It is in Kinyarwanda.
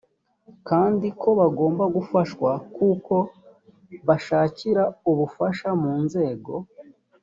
kandi ko bagomba gufashwa kuko bashakira ubufasha mu nzego